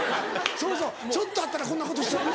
そうそうちょっとあったらこんなことしたり。